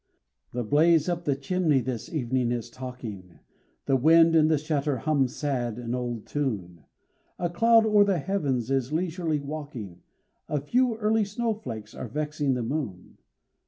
The blaze up the chimney this evening is talking, The wind and the shutter hum sad an old tune, A cloud o'er the heavens is leisurely walking, A few early snowflakes are vexing the moon.